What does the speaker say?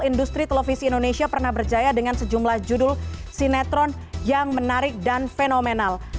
industri televisi indonesia pernah berjaya dengan sejumlah judul sinetron yang menarik dan fenomenal